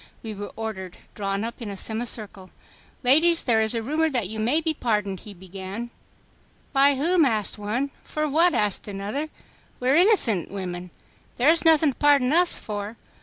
We were ordered drawn up in a semi circle. "Ladies, there is a rumor that you may be pardoned," he began. "By whom?" asked one. "For what?" asked another. "We are innocent women. There is nothing to pardon us for."